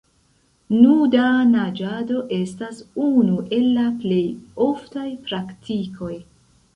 Nuda naĝado estas unu el la plej oftaj praktikoj.